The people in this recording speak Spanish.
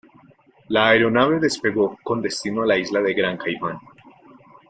La aeronave despegó con destino a la isla de Gran Caimán.